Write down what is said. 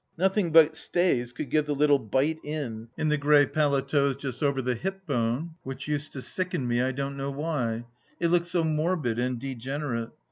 Nothing but stays could give the little bite in, in the grey paletots just over the hip bone, which used to sicken me, I don't know why. It looked so morbid and degenerate.